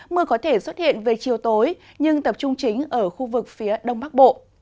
mưa có thể xuất hiện về chiều tối nhưng tập trung chính ở khu vực phía đông bắc bộ